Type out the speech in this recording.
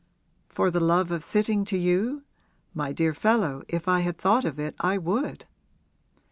'For the love of sitting to you? My dear fellow, if I had thought of it I would!'